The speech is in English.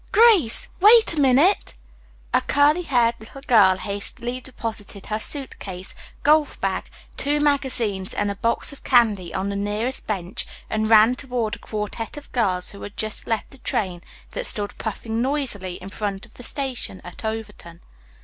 Grace! Wait a minute!" A curly haired little girl hastily deposited her suit case, golf bag, two magazines and a box of candy on the nearest bench and ran toward a quartette of girls who had just left the train that stood puffing noisily in front of the station at Overton.